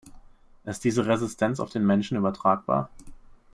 Ist diese Resistenz auf den Menschen übertragbar?